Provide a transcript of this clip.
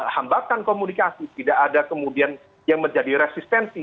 hambatan komunikasi tidak ada kemudian yang menjadi resistensi